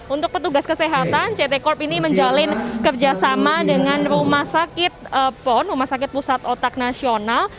untuk petugas kesehatan ct corp ini menjalin kerjasama dengan rumah sakit pon rumah sakit pusat otak nasional